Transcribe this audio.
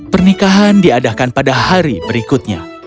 pernikahan diadakan pada hari berikutnya